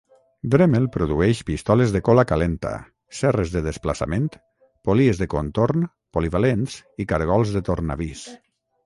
Dremel produeix pistoles de cola calenta, serres de desplaçament, polies de contorn, polivalents i cargols de tornavís.